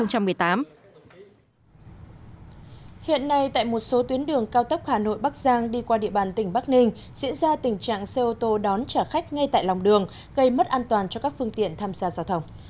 hiện nay tại một số tuyến đường cao tốc hà nội bắc giang đi qua địa bàn tỉnh bắc ninh diễn ra tình trạng xe ô tô đón trả khách ngay tại lòng đường gây mất an toàn cho các phương tiện tham gia giao thông